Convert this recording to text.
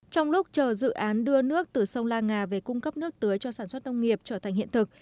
trong lúc chờ dự án đưa nước từ sông lan ngà về cung cấp nước tưới cho sản xuất nông nghiệp trở thành hiện thực